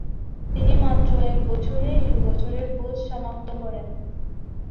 তিনি মাত্র এক বছরেই দুই বছরের কোর্স সমাপ্ত করেন।